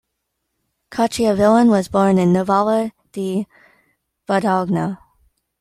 Cacciavillan was born in Novale di Valdagno.